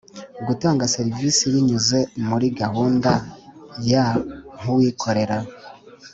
Gutanga serivisi binyuze muri gahunda ya nk’ uwikorera